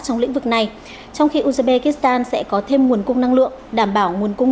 trong lĩnh vực này trong khi uzbekistan sẽ có thêm nguồn cung năng lượng đảm bảo nguồn cung